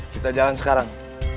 kita jalan sekarang